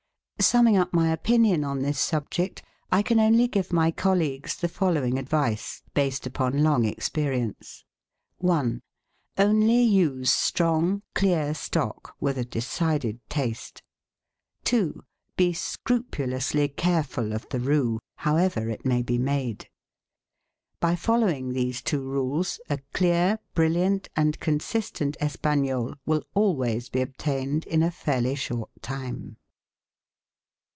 Summing up my opinion on this subject, I can only give my colleagues the following advice, based upon long experi ence :— 1. Only use strong, clear stock with a decided taste. 2. Be scrupulously careful of the roux, however it may be made. By following these two rules, a clear, brilliant, and consistent Espagnole will always be obtained in a fairly short time.